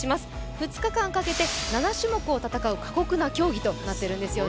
２日間かけて７種目を戦う過酷な競技となっているんですよね。